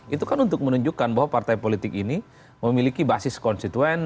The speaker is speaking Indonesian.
itu kan untuk menunjukkan bahwa partai politik ini memiliki basis konstituen